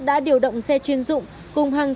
đã điều động xe chuyên dụng cùng hàng